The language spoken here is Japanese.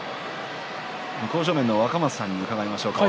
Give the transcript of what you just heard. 向正面の若松さんに伺います。